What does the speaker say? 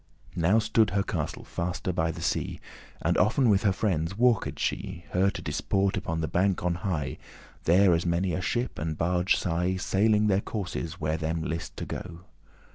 Now stood her castle faste by the sea, And often with her friendes walked she, Her to disport upon the bank on high, There as many a ship and barge sigh,* *saw Sailing their courses, where them list to go.